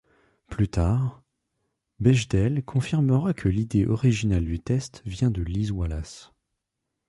Plus tard, Bechdel confirmera que l'idée originale du test vient de Liz Wallace.